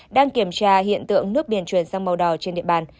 đang kiểm tra hiện tượng nước biển chuyển sang màu đỏ trên địa bàn